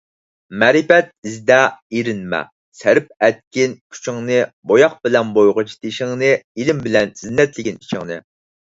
مەرىپەت ئىزدە ئېرىنمە، سەرىپ ئەتكىن كۈچىڭنى؛ بوياق بىلەن بويىغىچە تېشىڭنى ، ئىلىم بىلەن زىننەتلىگىن ئىچىڭنى.